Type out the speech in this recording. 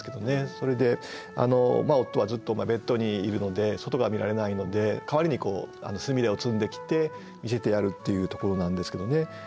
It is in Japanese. それで夫はずっとベッドにいるので外が見られないので代わりにすみれを摘んできて見せてやるっていうところなんですけどね。